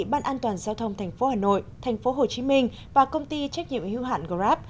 ban an toàn giao thông tp hà nội tp hồ chí minh và công ty trách nhiệm hữu hạn grab